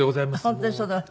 本当にそうだわ。